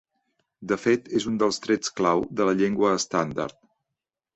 De fet, és un dels trets clau de la llengua estàndard.